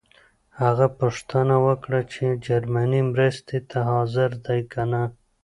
هغه پوښتنه وکړه چې جرمني مرستې ته حاضر دی کنه.